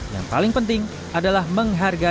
yang paling penting adalah menghargai